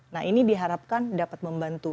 nah ini diharapkan dapat membantu